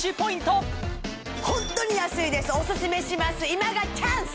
今がチャンス！